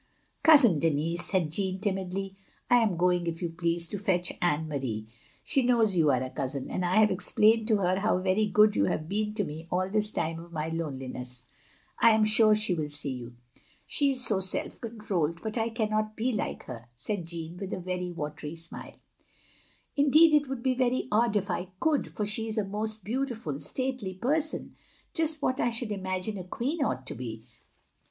"Cousin Denis," said Jeanne, timidly, "I am going, if you please, to fetch Anne Marie. She knows you are a cousin ; and I have explained to her how very good you have been to me all this time of my loneliness. I am sure she will see you. She is so self controlled, but I cannot be like her, " said Jeanne, with a very watery smile. "Indeed it would be very odd if I could, for she is a most beautiful, stately person, just what I should imagine a queen ought to be.